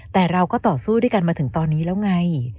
แต่เราก็ต่อสู้ด้วยกันมาถึงตอนนี้แล้วไง